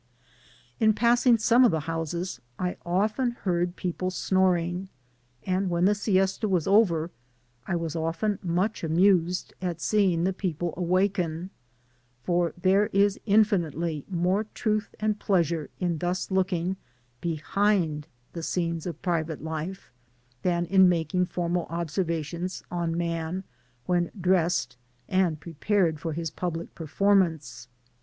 In passing some of the houses I often heard people snoring, and when the siesta was over, I was often much amused at seeing the people awaken, for there is infinitely more truth and pleasure in thus looking behind the scenes of private life, than in making formal observations on man when dressed and prepared for his public performance.